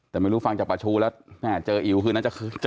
แต่ไม่รู้ฟังจะประชุแล้วน่ะเจออิ๋วคืนนั้นทั้งคือเดี๋ยวขึ้น